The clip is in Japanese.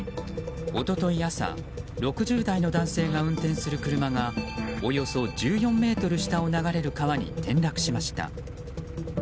一昨日朝、６０代の男性が運転する車がおよそ１４ｍ下を流れる川に転落しました。